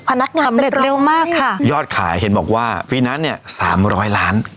พนักงานสำเร็จเร็วมากค่ะยอดขายเฮนบอกว่านี้สามร้อยล้าน